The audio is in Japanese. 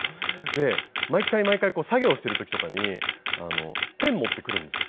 で毎回毎回作業をしている時とかにペン持ってくるんですよ。